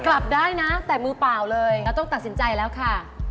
กลับได้นะแต่มือเปล่าเลยเราต้องตัดสินใจแล้วค่ะ